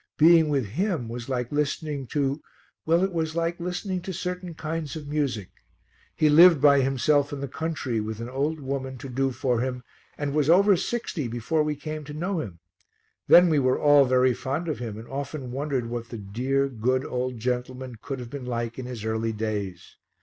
Being with him was like listening to well, it was like listening to certain kinds of music. He lived by himself in the country, with an old woman to do for him, and was over sixty before we came to know him; then we were all very fond of him and often wondered what the dear, good old gentleman could have been like in his early days.